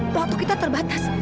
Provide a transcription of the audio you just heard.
waktu kita terbatas